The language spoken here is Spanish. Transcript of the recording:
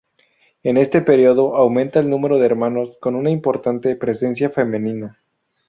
En este periodo aumenta el número de hermanos, con una importante presencia femenina.